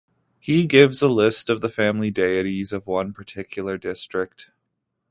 He gives a list of the family deities of one particular district.